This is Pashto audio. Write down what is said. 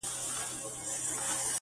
هو پاچا ملا وزیر ملا سهي ده,